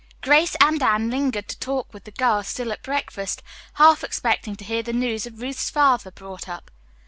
Grace and Anne lingered to talk with the girls still at breakfast, half expecting to hear the news of Ruth's father brought up.